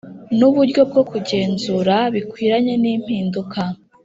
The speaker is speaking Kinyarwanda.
N Uburyo Bwo Kugenzura Bikwiranye N Impinduka